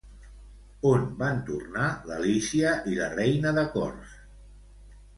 On van tornar l'Alícia i la Reina de Cors?